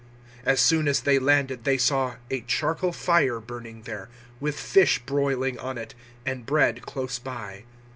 021:009 As soon as they landed, they saw a charcoal fire burning there, with fish broiling on it, and bread close by.